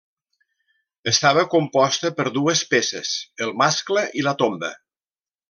Estava composta per dues peces, el mascle i la tomba.